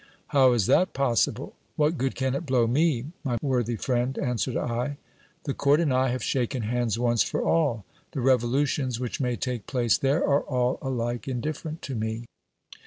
How is that possible ? What good can it blow me, my worthy friend ? answered I. The court and I have shaken hands once for all : the revolutions which may take place there are all alike indifferent to me.